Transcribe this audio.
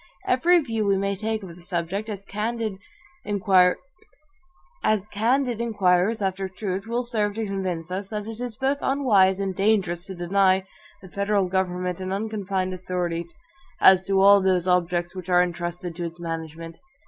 Every view we may take of the subject, as candid inquirers after truth, will serve to convince us, that it is both unwise and dangerous to deny the federal government an unconfined authority, as to all those objects which are intrusted to its management.